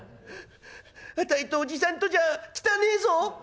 あたいとおじさんとじゃあ汚えぞ」。